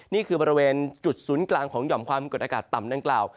นี่คือบริเวณจุดศูนย์กลางของหย่อมความกดอากาศต่ำดังกล่าว